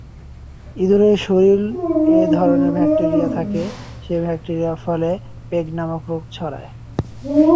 ইঁদুরের শরীরে এর ধরনের ব্যাকটেরিয়া থাকে, সেই ব্যাকটেরিয়ার ফলে প্লেগ নামক রোগ ছড়ায়।